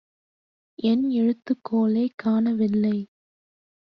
என் எழுதுகோலைக் காணவில்லை.